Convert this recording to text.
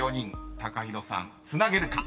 ＴＡＫＡＨＩＲＯさんつなげるか？］